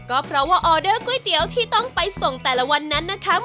ก็เพราะว่าออเดอร์ก๋วยเตี๋ยวที่ต้องไปส่งแต่ละวันนั้นนะคะ